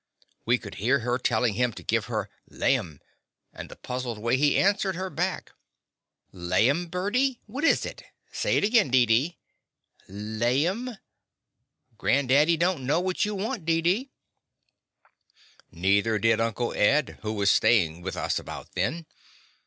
We could hear her tellin' him to give her "laim," The Confessions of a Daddy and the puzzled way he answered her back. 'Xaim, birdy"? What is it? Say it again, Deedee. Laim? Grand daddy don't know what you want, Deedee." Neither did Uncle Ed, who was stayin' with us about then.